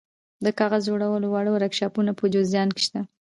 د کاغذ جوړولو واړه ورکشاپونه په جوزجان کې شته.